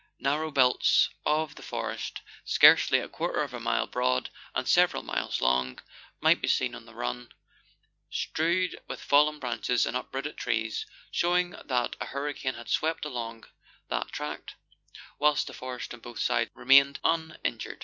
Narrow belts of the Letters from Victorian Pioneers. 107 forest, scarcely a quarter of a mile broad and several miles long, might be seen on the run, strewed with fallen branches and uprooted trees, showing that a hurricane had swept along that tract, whilst the forest on both sides remained uninjured.